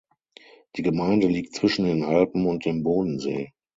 Die Gemeinde liegt zwischen den Alpen und dem Bodensee.